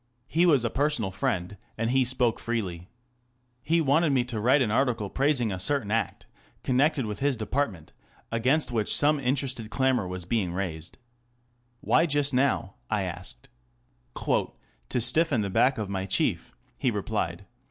He was a personal friend, and he spoke freely. He wanted me to write an article praising a certain Act connected with his depart ment, against which some interested clamour wafc being raised. " Why just now ?" I asked. " To stiffen the back of my chief," he replied.